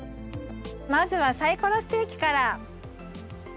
まずはサイコロステーキから。